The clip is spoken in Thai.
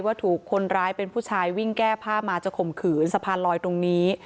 ว่าถูกคนร้ายเป็นผู้ชายวิ่งแก้ผ้ามาจะข่มขืนสะพานลอยตรงนี้